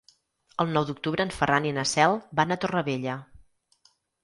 El nou d'octubre en Ferran i na Cel van a Torrevella.